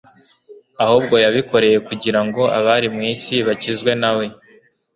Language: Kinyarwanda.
ahubwo yabikoreye kugira ngo abari mu isi bakizwe na we.”